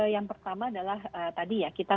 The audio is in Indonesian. yang pertama adalah tadi ya kita